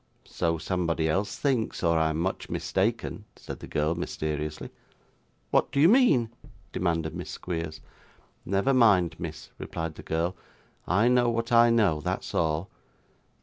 'So somebody else thinks, or I am much mistaken,' said the girl mysteriously. 'What do you mean?' demanded Miss Squeers. 'Never mind, miss,' replied the girl; 'I know what I know; that's all.